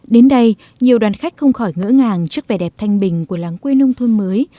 đến đây nhiều đoàn khách không khỏi ngỡ ngàng trước vẻ đẹp thanh bình của láng quê nông thôn mới